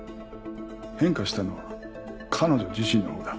変化したのは彼女自身のほうだ。